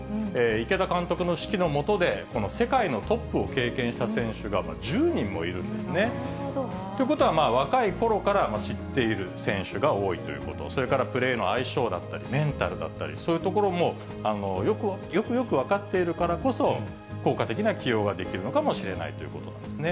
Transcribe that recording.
池田監督の指揮の下で、この世界のトップを経験した選手が１０人もいるんですね。ということはまあ、若いころから知っている選手が多いということ、それからプレーの相性だったり、メンタルだったり、そういうところもよくよく分かっているからこそ、効果的な起用ができるのかもしれないということなんですね。